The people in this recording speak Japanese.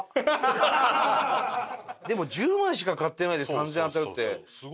でも１０枚しか買ってないで３０００円当たるって立派だね。